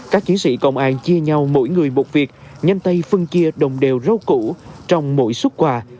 các chiến sĩ công an chia nhau mỗi người một việc nhanh tay phân chia đồng đều rau cũ trong mỗi xuất quà